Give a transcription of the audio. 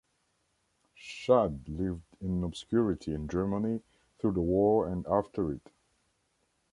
Schad lived in obscurity in Germany through the war and after it.